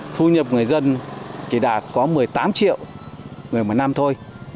thu nhập người dân chỉ đạt có một mươi tám triệu người một năm thôi